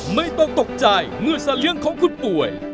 ไม่ต้องตกใจเมื่อสัตว์เลี้ยงของคุณป่วย